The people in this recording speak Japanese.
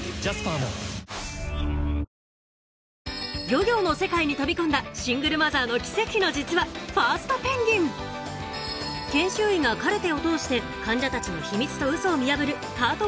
漁業の世界に飛び込んだシングルマザーの奇跡の実話研修医がカルテを通して患者たちの秘密とウソを見破るハート